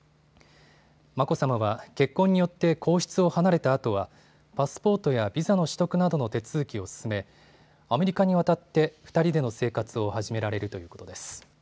眞子さまは結婚によって皇室を離れたあとはパスポートやビザの取得などの手続きを進めアメリカに渡って２人での生活を始められるということです。